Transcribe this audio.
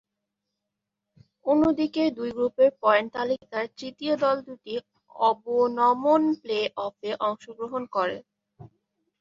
অন্যদিকে দুই গ্রুপের পয়েন্ট তালিকার তৃতীয় দল দুটি অবনমন প্লে-অফে অংশগ্রহণ করে।